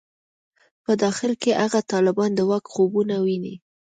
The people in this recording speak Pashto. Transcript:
په داخل کې هغه طالبان د واک خوبونه ویني.